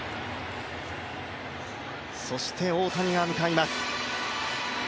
そして大谷が向かいます。